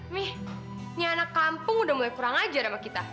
nih ini anak kampung udah mulai kurang ajar sama kita